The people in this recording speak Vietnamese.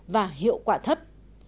và hiệu quả thấp